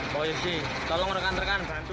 polisi tolong rekan rekan bantu